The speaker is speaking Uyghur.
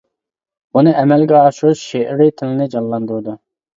بۇنى ئەمەلگە ئاشۇرۇش شېئىرىي تىلنى جانلاندۇرىدۇ.